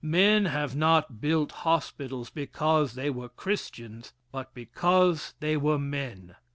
Men have not built hospitals because they were Christians, but because they were men.